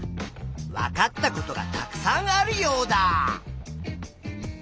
わかったことがたくさんあるヨウダ！